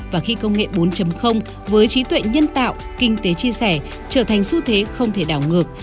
và khi công nghệ bốn với trí tuệ nhân tạo kinh tế chia sẻ trở thành xu thế không thể đảo ngược